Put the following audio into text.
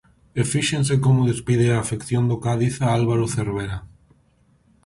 E fíxense como despide a afección do Cádiz a Álvaro Cervera.